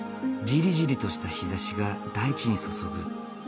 ジリジリとした日ざしが大地に注ぐ。